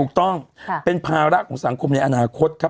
ถูกต้องเป็นภาระของสังคมในอนาคตครับ